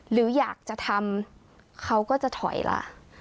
หรืออยากจะทำเขาก็จะถอยล่ะ